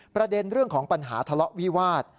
ประเด็นเรื่องของปัญหาทะเลาะวิวาส